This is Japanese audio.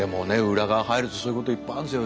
裏側入るとそういうこといっぱいあるんですよ。